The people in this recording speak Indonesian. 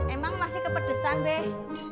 emang masih kepedesan deh